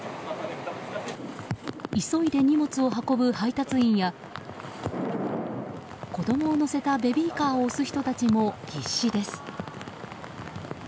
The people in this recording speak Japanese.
急いで荷物を運ぶ配達員や子供を乗せたベビーカーを押す人たちも必死です。